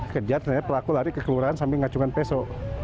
kejar pelaku lari ke kelurahan sambil ngacungan peso